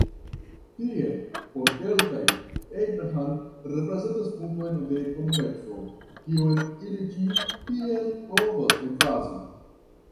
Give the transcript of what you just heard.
Tiel, por kelkaj, Abraham reprezentas punkton de komuneco, kiun ili ĉi tiel provas emfazi.